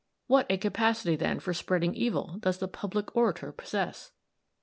What a capacity, then, for spreading evil does the public orator possess!